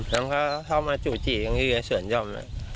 แล้วเขามาจูบจีบกันที่สวนจอม